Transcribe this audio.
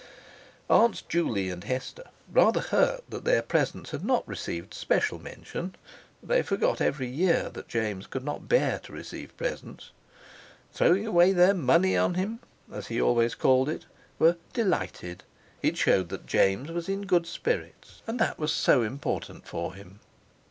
Aunts Juley and Hester, rather hurt that their presents had not received special mention—they forgot every year that James could not bear to receive presents, "throwing away their money on him," as he always called it—were "delighted"; it showed that James was in good spirits, and that was so important for him.